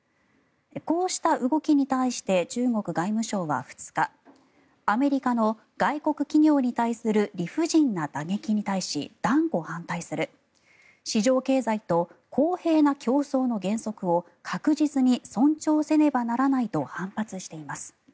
こうした動きに対して中国外務省は２日アメリカの外国企業に対する理不尽な打撃に対し断固反対する市場経済と公平な競争の原則を確実に尊重せねばならないと反発しています。